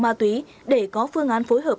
ma túy để có phương án phối hợp